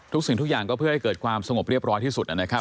สิ่งทุกอย่างก็เพื่อให้เกิดความสงบเรียบร้อยที่สุดนะครับ